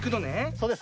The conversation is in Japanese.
そうです。